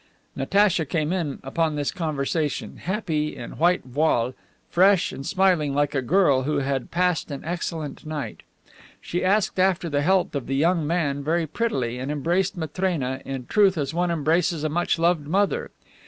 Natacha came in upon this conversation, happy, in white voile, fresh and smiling like a girl who had passed an excellent night. She asked after the health of the young man very prettily and embraced Matrena, in truth as one embraces a much beloved mother.